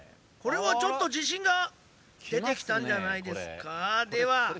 これはちょっとじしんがでてきたんじゃないですか？